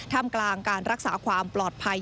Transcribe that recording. ทำกลางการรักษาความปลอดภัย